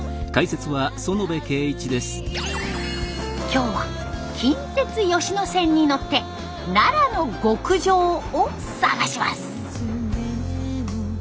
今日は近鉄吉野線に乗って奈良の極上を探します。